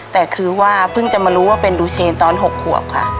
แต่คือว่าเพิ่งจะมารู้ว่าเป็นดูเชนตอน๖ขวบค่ะ